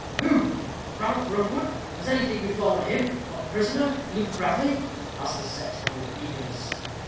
"Who? Ranulph Rookwood? Has anything befallen him, or the prisoner, Luke Bradley?" asked the sexton, with eagerness.